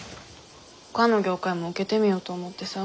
ほかの業界も受けてみようと思ってさ。